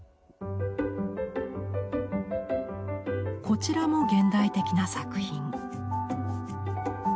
こちらも現代的な作品。